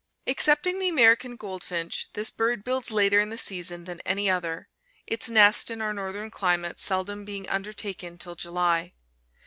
Excepting the American goldfinch, this bird builds later in the season than any other, its nest, in our northern climate, seldom being undertaken till July.